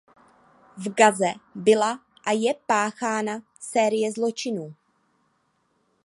V Gaze byla a je páchána série zločinů.